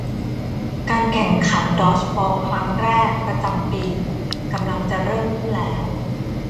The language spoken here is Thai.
การแข่งขันดอดจ์บอลครั้งแรกประจำปีกำลังจะเริ่มขึ้นแล้ว